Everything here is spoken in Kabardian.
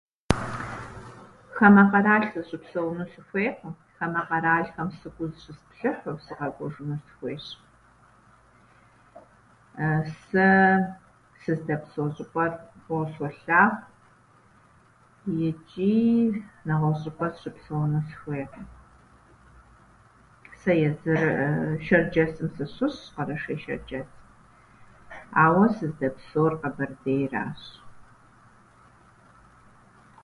Хамэ къэрал сыщыпсэуну сыхуейкъым. Хамэ къэралхэм сыкӏуэу зыщысплъыхьу сыкъэкӏуэжыну сыхуейщ. Сэ сыздэпсэу щӏыпӏэр фӏыуэ солъагъу ичӏи нэгъуэщӏыпӏэ сыщыпсэуну сыхуейкъым. Сэ езыр Шэрджэсым сыщыщщ, Къэрэшей-Щэрджэсым, ауэ сыздэпсэур Къэбэрдейращ.